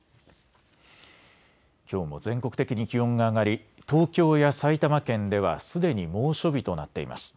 きょうも全国的に気温が上がり東京や埼玉県ではすでに猛暑日となっています。